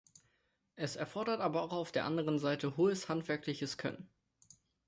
Es erfordert aber auch auf der anderen Seite hohes handwerkliches Können.